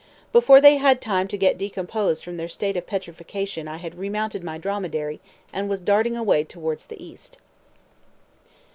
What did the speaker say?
Before they had time to get decomposed from their state of petrifaction I had remounted my dromedary, and was darting away towards the east.